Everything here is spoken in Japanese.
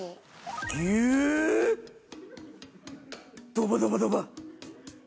ドバドバドバ。